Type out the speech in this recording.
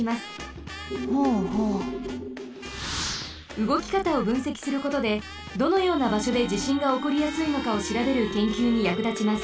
うごきかたをぶんせきすることでどのようなばしょでじしんがおこりやすいのかをしらべるけんきゅうにやくだちます。